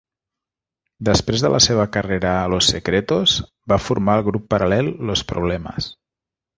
Després de la seva carrera a Los Secretos, va formar el grup paral·lel Los Problemas.